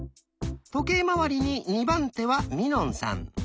時計回りに２番手はみのんさん。